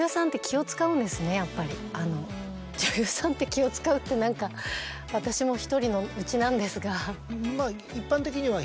やっぱり女優さんって気を使うって何か私も１人のうちなんですが。